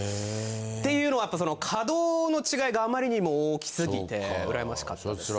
っていうのは稼働の違いがあまりにも大きすぎて羨ましかったです。